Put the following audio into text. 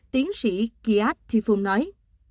tiến sĩ kiat tifum nói